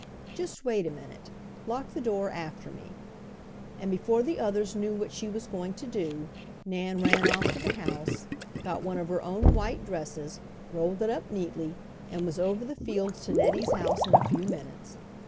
"Just wait a minute. Lock the door after me," and before the others knew what she was going to do, Nan ran off to the house, got one of her own white dresses, rolled it up neatly, and was over the fields to Nettie's house in a few minutes.